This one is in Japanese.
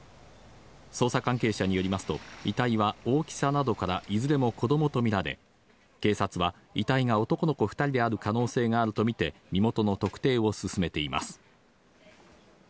捜査関係者によりますと、遺体は大きさなどから、いずれも子供とみられ、警察は遺体が男の子２人である可能性があるとみて身元の特定を進めています。